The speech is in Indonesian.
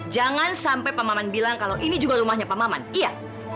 jangan sampai pak maman bilang kalau ini juga rumahnya pak maman iya